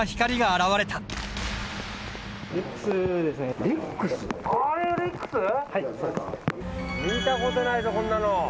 見たことないぞこんなの。